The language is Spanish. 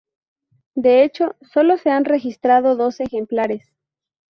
De hecho, solo se han registrado dos ejemplares.